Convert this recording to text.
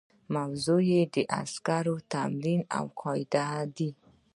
موضوع یې د عسکرو تمرین او قواعد دي.